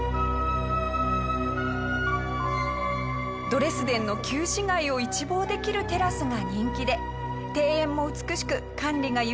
ドレスデンの旧市街を一望できるテラスが人気で庭園も美しく管理が行き届いています。